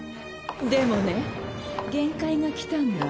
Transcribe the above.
でもね限界が来たんだ。